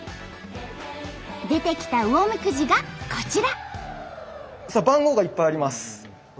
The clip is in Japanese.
出てきたうおみくじがこちら。